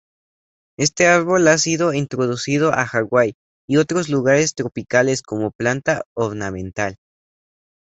Este árbol ha sido introducido a Hawaii y otros lugares tropicales como planta ornamental.